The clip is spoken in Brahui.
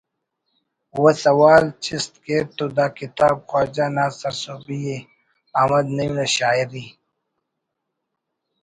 و سوال چست کیر تو دا کتاب خواجہ نا سرسہبی ءِ احمد نعیم نا شاعری